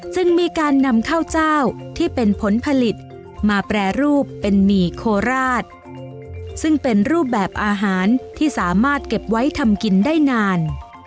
จึงมีการนำข้าวเจ้าที่เป็นผลผลิตมาแปรรูปเป็นหมี่โคราชซึ่งเป็นรูปแบบอาหารที่สามารถเก็บไว้ทำกินได้นาน